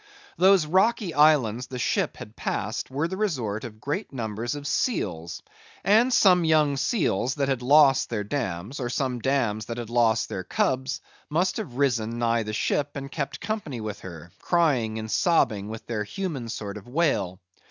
Those rocky islands the ship had passed were the resort of great numbers of seals, and some young seals that had lost their dams, or some dams that had lost their cubs, must have risen nigh the ship and kept company with her, crying and sobbing with their human sort of wail.